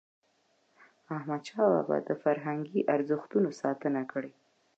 احمدشاه بابا د فرهنګي ارزښتونو ساتنه کړی.